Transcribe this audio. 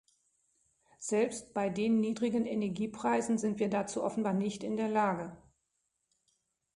Selbst bei den niedrigen Energiepreisen sind wir dazu offenbar nicht in der Lage.